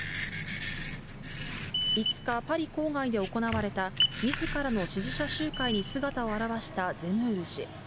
５日、パリ郊外で行われたみずからの支持者集会に姿を現したゼムール氏。